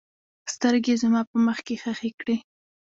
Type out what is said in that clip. سترګې یې زما په مخ کې ښخې کړې.